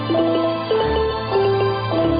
ชาวโรงศัล